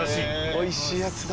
おいしいやつだ。